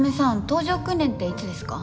搭乗訓練っていつですか？